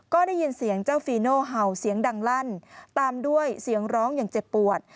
ก็ได้ยินเสียงเจ้าฟีโน่เห่าเสียงดังลั่นตามด้วยเสียงร้องอย่างเจ็บปวด